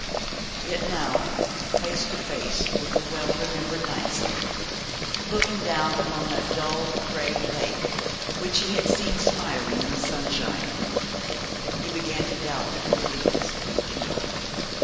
Yet now, face to face with the well remembered landscape, looking down upon that dull grey lake which he had seen smiling in the sunshine, he began to doubt the completeness of his cure.